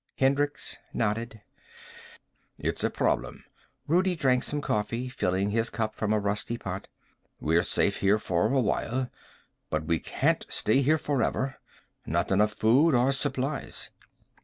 Hendricks nodded. "It's a problem." Rudi drank some coffee, filling his cup from a rusty pot. "We're safe here for awhile, but we can't stay here forever. Not enough food or supplies."